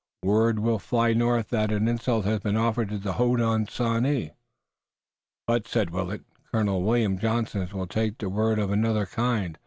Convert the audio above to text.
"Word will fly north that an insult has been offered to the Hodenosaunee." "But," said Willet, "Colonel William Johnson will take a word of another kind.